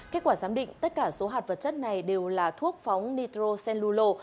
kết quả giám định tất cả số hạt vật chất này đều là thuốc phóng nitrocellulo